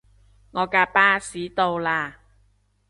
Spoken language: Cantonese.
我架巴士到喇